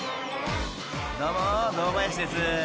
［どうも堂林です］